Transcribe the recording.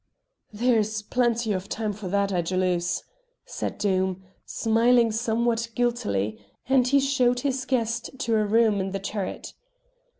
"There's plenty of time for that, I jalouse," said Doom, smiling somewhat guiltily, and he showed his guest to a room in the turret.